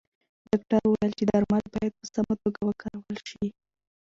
ډاکتر وویل چې درمل باید په سمه توګه وکارول شي.